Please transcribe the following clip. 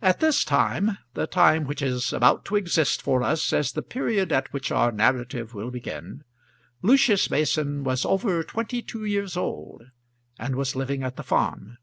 At this time the time which is about to exist for us as the period at which our narrative will begin Lucius Mason was over twenty two years old, and was living at the farm.